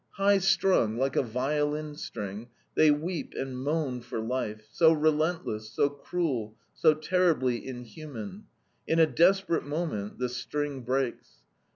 High strung, like a violin string, they weep and moan for life, so relentless, so cruel, so terribly inhuman. In a desperate moment the string breaks.